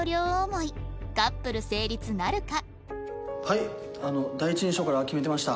カップル成立なるか？